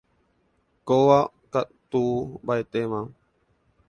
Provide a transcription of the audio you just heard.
Kóva katu mbaʼetéma.